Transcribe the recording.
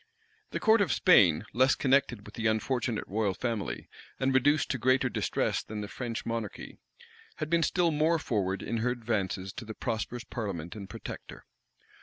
The court of Spain, less connected with the unfortunate royal family, and reduced to greater distress than the French monarchy, had been still more forward in her advances to the prosperous parliament and protector.